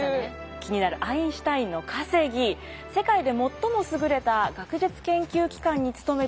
気になるアインシュタインの稼ぎ世界で最も優れた学術研究機関に勤めていた時の５０代の時の年収。